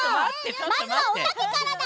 まずはおたけからだ。